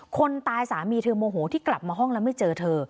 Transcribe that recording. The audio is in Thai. คนตายสามีเธอโมโหที่กลับมาห้องแล้วไม่เจอเธอ